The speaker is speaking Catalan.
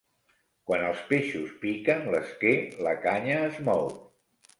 Quan els peixos piquen l'esquer la canya es mou.